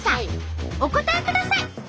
お答えください。